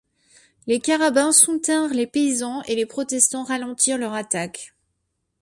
Les carabins soutinrent les paysans et les protestants ralentirent leur attaque.